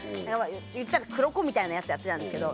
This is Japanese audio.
いったら黒子みたいなやつやってたんですけど。